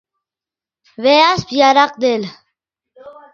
ڤے یاسپ یراق دل